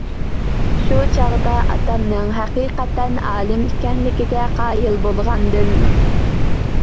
شۇ چاغدا ئاتامنىڭ ھەقىقەتەن ئالىم ئىكەنلىكىگە قايىل بولغانىدىم.